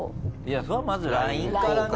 それはまずＬＩＮＥからね。